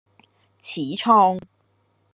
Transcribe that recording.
始創